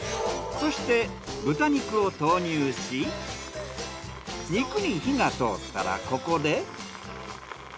そして豚肉を投入し肉に火が通ったらここで。